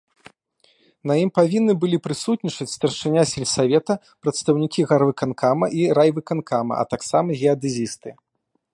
На ім павінны былі прысутнічаць старшыня сельсавета, прадстаўнікі гарвыканкама і райвыканкама, а таксама геадэзісты.